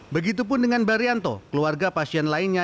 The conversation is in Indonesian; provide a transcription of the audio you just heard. begitupun dengan barianto keluarga pasien lainnya